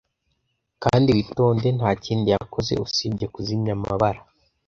kandi witonde ntakindi yakoze usibye kuzimya amabara